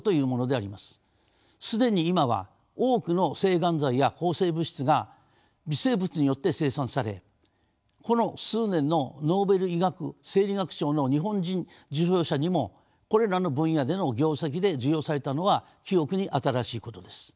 既に今は多くの制がん剤や抗生物質が微生物によって生産されこの数年のノーベル医学・生理学賞の日本人受賞者にもこれらの分野での業績で授与されたのは記憶に新しいことです。